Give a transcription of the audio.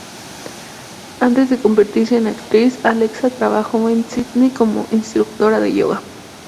Antes de convertirse en actriz Alexa trabajó en Sydney como instructora de yoga.